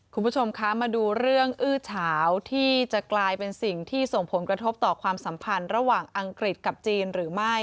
คุณผู้ชมคะมาดูเรื่องอื้อเฉาที่จะกลายเป็นสิ่งที่ส่งผลกระทบต่อความสัมพันธ์ระหว่างอังกฤษกับจีนหรือไม่